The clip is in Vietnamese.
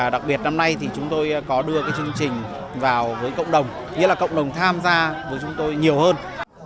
đặc biệt năm nay thì chúng tôi có đưa cái chương trình vào với cộng đồng nghĩa là cộng đồng tham gia với chúng tôi nhiều hơn